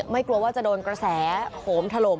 กลัวว่าจะโดนกระแสโหมถล่ม